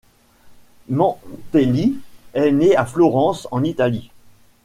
Mantelli est née à Florence, en Italie.